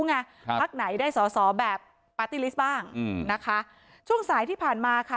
หลักไหนได้สอแบบปาร์ตี้ลิสต์บ้างช่วงสายที่ผ่านมาค่ะ